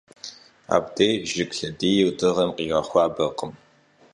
Abdêy jjıg lhediyr dığem khiğexuaberkhım.